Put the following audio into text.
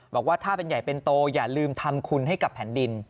บอกว่าถ้าเป็นใหญ่เป็นโตอย่าลืมทำคุณให้กับแผ่นดิน